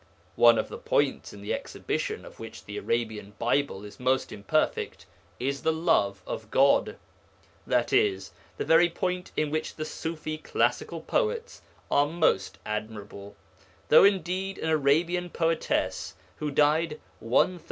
One of the points in the exhibition of which the Arabian Bible is most imperfect is the love of God, i.e. the very point in which the Ṣufi classical poets are most admirable, though indeed an Arabian poetess, who died 135 Hij.